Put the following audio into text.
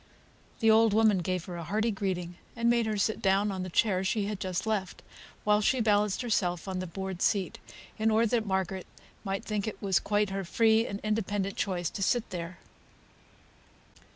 The old woman gave her a hearty greeting, and made her sit down on the chair she had just left, while she balanced herself on the board seat, in order that Margaret might think it was quite her free and independent choice to sit there.